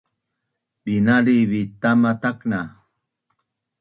binaliv it tama tak’na